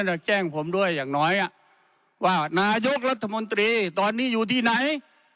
แล้วแจ้งผมด้วยอย่างน้อยว่านายกรัฐมนตรีตอนนี้อยู่ที่ไหน